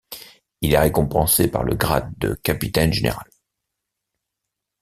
Il est récompensé par le grade de capitaine-général.